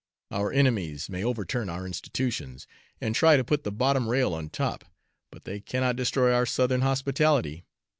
Our enemies may overturn our institutions, and try to put the bottom rail on top, but they cannot destroy our Southern hospitality.